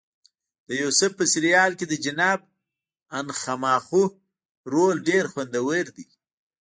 د یوسف په سریال کې د جناب انخماخو رول ډېر خوندور دی.